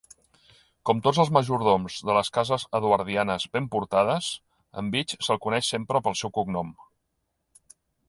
Com tots els majordoms de les cases eduardianes ben portades, en Beach se'l coneix sempre pel seu cognom.